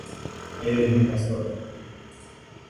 El es mi pastor.